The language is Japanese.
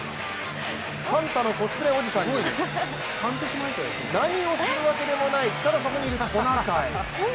サンタのコスプレおじさんに何をするわけでもないただそこにいるトナカイ。